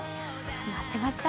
待ってました！